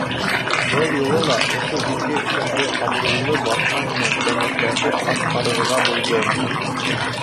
Был юлы ла ошо изге эшемде абруйлы баҫма менән кәңәшләшеп атҡарырға булдым.